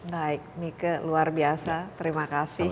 baik mika luar biasa terima kasih